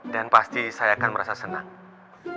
dan pasti saya akan merasa senang